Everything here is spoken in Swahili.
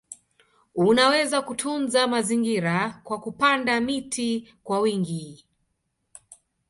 Unaweza kutunza mazingira kwa kupanda miti kwa wingi